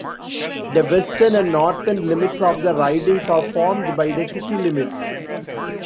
The western and northern limits of the ridings are formed by the city limits.